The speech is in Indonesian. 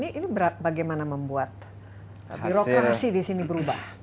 ini bagaimana membuat birokrasi di sini berubah